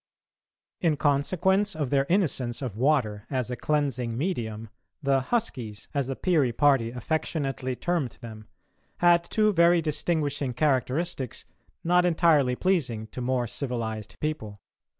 In consequence of their innocence of water as a cleansing medium, the "huskies," as the Peary party affectionately termed them, had two very distinguishing characteristics not entirely pleasing to more civilised people.